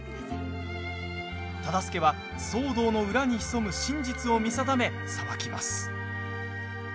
忠相は騒動の裏に潜む真実を見定め裁きます。